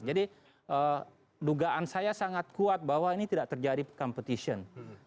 jadi dugaan saya sangat kuat bahwa ini tidak terjadi competition